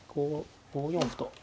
５四歩と。